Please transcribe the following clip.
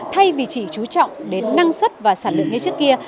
thay vì chỉ trú trọng đến năng suất và sản lượng như trước kia